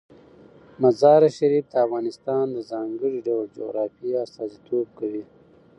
مزارشریف د افغانستان د ځانګړي ډول جغرافیه استازیتوب کوي.